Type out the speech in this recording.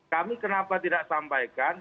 kami kenapa tidak sampaikan